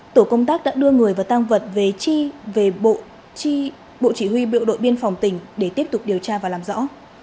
tổ công tác đã đưa người và tăng vật về chi bộ chỉ huy biểu đội biên phòng tỉnh để tiếp tục điều tra và làm rõ